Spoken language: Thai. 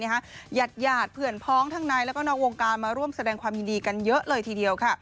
หยาดเพื่อนพ้องทั้งในแล้วก็นอกวงการมาร่วมแสดงความยินดีกันเยอะเลยทีเดียว